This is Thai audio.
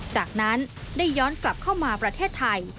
จากนั้นได้ย้อนกลับเข้ามาประเทศไทย